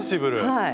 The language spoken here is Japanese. はい。